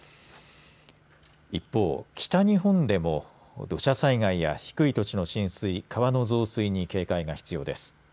一方、北日本でも土砂災害や低い土地の浸水川の増水に警戒が必要です。